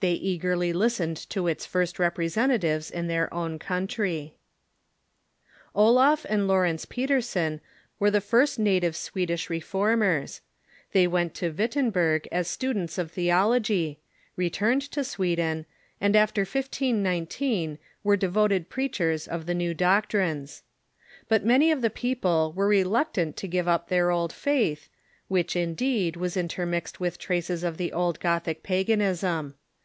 They eagerly listened to its first representatives in their own countr^^ Olaf and Laurence Petersen were the first native Swedish Reformers. They went to Wittenberg as students of the oloory returned to Sweden, and after 1519 were The Petersens ,, i , j, ,,,. devoted preachers ot the new doctrmes. But many of the people were reluctant to give up their old faith, which, indeed, was intermixed with traces of the old Gothic paganism.